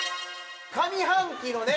上半期のね